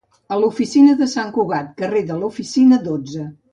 A la oficina de Sant Cugat carrer de la oficina, dotze.